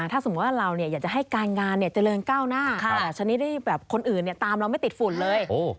ถ้าสมมุติว่าเราอยากจะให้การงานเจริญก้าวหน้าชนิดที่แบบคนอื่นตามเราไม่ติดฝุ่นเลย